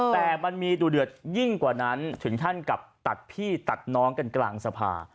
แต่มันมีดูเดือดยิ่งกว่านั้นถึงขั้นกับตัดพี่ตัดน้องกันกลางสภา